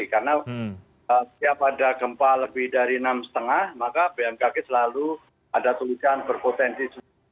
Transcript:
karena setiap ada gempa lebih dari enam lima maka bnpkg selalu ada tugas berpotensi